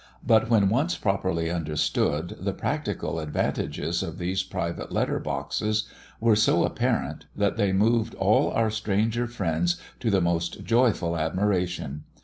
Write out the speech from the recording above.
But when once properly understood, the practical advantages of these private letter boxes were so apparent, that they moved all our stranger friends to the most joyful admiration.